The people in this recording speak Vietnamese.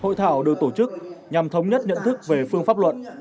hội thảo được tổ chức nhằm thống nhất nhận thức về phương pháp luận